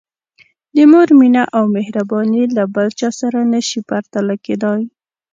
د مور مینه او مهرباني له بل چا سره نه شي پرتله کېدای.